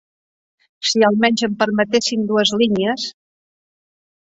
Si almenys em permetessin dues línies.